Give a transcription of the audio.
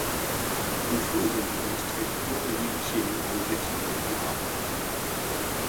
In frühen Videos trägt Huang Yi Xin einen Gips am linken Arm.